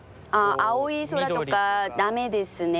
「青い空」とか駄目ですね。